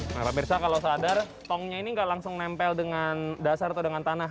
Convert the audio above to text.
nah pak mirsa kalau sadar tongnya ini nggak langsung nempel dengan dasar atau dengan tanah